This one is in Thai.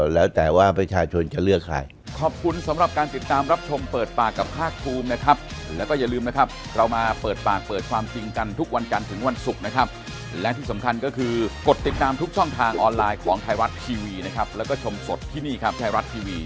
แล้วแต่ว่าประชาชนจะเลือกใคร